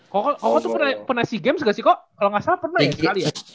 kokoh tuh pernah si games gak sih kok kalo gak salah pernah ya sekali ya